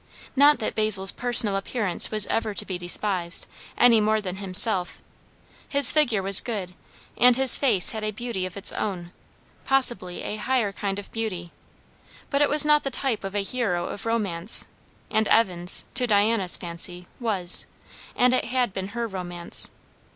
Not that Basil's personal appearance was ever to be despised, any more than himself; his figure was good, and his face had a beauty of its own, possibly a higher kind of beauty; but it was not the type of a hero of romance; and Evan's, to Diana's fancy, was; and it had been her romance.